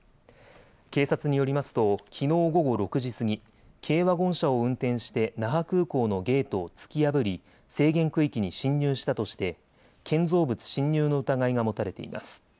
警察によりますときのう午後６時過ぎ、軽ワゴン車を運転して那覇空港のゲートを突き破り制限区域に侵入したとして建造物侵入の疑いが持たれています。